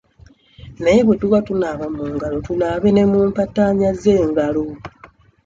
Naye bwe tuba tunaaba mu ngalo tunaabe ne mu mpataanya z'engalo.